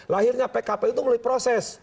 lahirnya pkp itu melalui proses